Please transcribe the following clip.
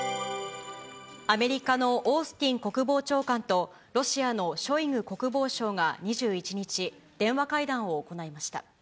アメリカのオースティン国防長官とロシアのショイグ国防相が２１日、電話会談を行いました。